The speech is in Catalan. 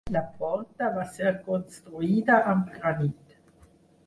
La Porta va ser construïda amb granit.